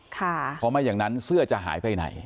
เพราะไม่อย่างนั้นเสื้อจะหายไปไหน